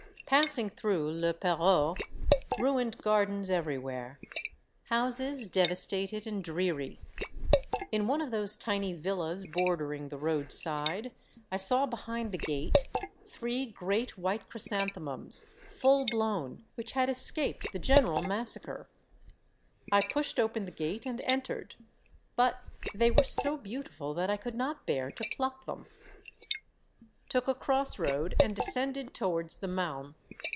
Passing through Le Perreux, ruined gardens At the Outposts, 97 everywhere, houses devastated and dreary ; in one of those tiny villas bordering the roadside, I saw behind the gate three great white chrysanthemums, full blown, which had escaped the general massacre. I pushed open the gate and entered, but they were so beautiful that I could not bear to pluck them. Took a cross road, and descended towards the Marne.